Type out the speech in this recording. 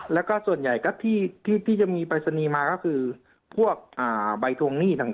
แล้วก็ส่วนใหญ่ก็ที่จะมีปรายศนีย์มาก็คือพวกใบทวงหนี้ต่าง